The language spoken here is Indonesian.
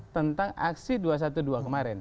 tentang aksi dua ratus dua belas kemarin